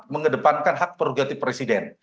mengedepankan hak prerogatif presiden